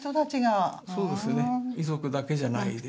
遺族だけじゃないですよね。